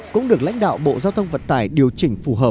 cũng được lãnh đạo bộ giao thông vận tải điều chỉnh phù hợp